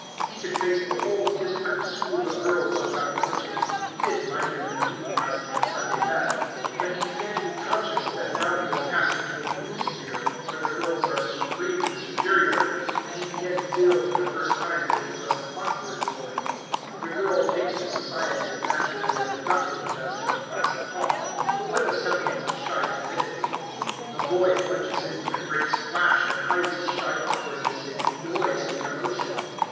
He could face the whole district school of girls without flinching, he didn't mind 'em in the meeting house in their Sunday best; but he began to be conscious that now he was passing to a new sphere, where the girls are supreme and superior, and he began to feel for the first time that he was an awkward boy. The girl takes to society as naturally as a duckling does to the placid pond, but with a semblance of shy timidity; the boy plunges in with a great splash, and hides his shy awkwardness in noise and commotion.